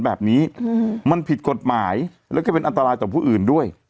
แบบนี้มันผิดกฎหมายแล้วก็เป็นอันตรายต่อผู้อื่นด้วย